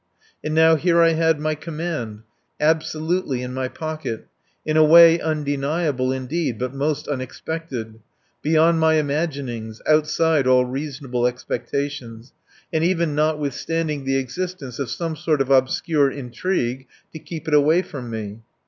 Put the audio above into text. And now here I had my command, absolutely in my pocket, in a way undeniable indeed, but most unexpected; beyond my imaginings, outside all reasonable expectations, and even notwithstanding the existence of some sort of obscure intrigue to keep it away from me.